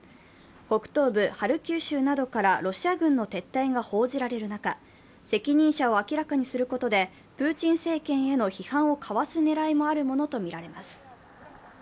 北東部ハルキウ州などからロシア軍の撤退が報じられる中、責任者を明らかにすることで、プーチン政権への批判をかわす狙いもあるものとみられます。